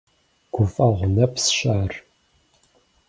Гуфӏэгъу нэпсщ ар.